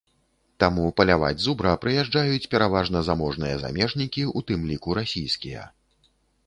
Таму паляваць зубра прыязджаюць пераважна заможныя замежнікі, у тым ліку расійскія.